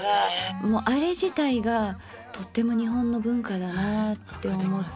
もうあれ自体がとっても日本の文化だなぁって思って。